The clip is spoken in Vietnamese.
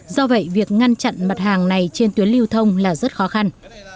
do vậy việc ngăn chặn mặt hàng này trên tuyến lưu thông là rất khó khăn